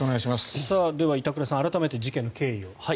では、板倉さん改めて事件の経緯を。